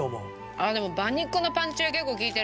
あっでも馬肉のパンチが結構効いてる。